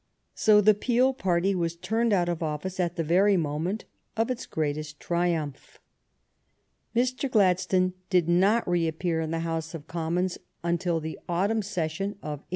So the Peel party was turned out of office at the very moment of its greatest triumph. Mr. Gladstone did not reappear in the House of THE STORY OF GLADSTONE'S LIFE Commons until the autumn session of 1847.